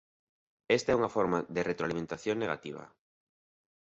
Esta é unha forma de retroalimentación negativa.